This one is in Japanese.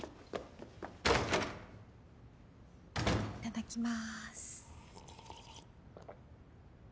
いただきます。